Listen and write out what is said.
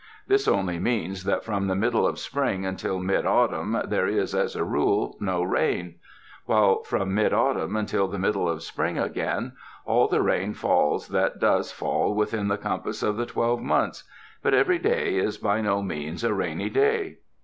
This only means that from the middle of spring until mid autumn there is, as a rule, no rain ; while from mid autumn until the middle of spring again, all the rain falls that does fall within the compass of the twelve months, but every day is by no means a rainy day.